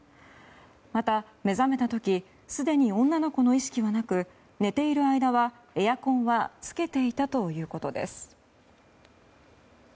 また、目覚めた時すでに女の子の意識はなく寝ている間はエアコンはつけていたということです。